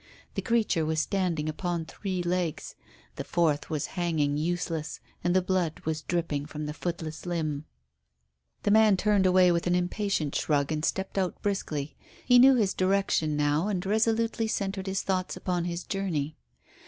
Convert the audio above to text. The creature was standing upon three legs, the fourth was hanging useless, and the blood was dripping from the footless limb. The man turned away with an impatient shrug and stepped out briskly. He knew his direction now, and resolutely centred his thoughts upon his journey.